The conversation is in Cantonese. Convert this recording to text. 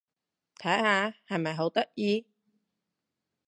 睇下！係咪好得意？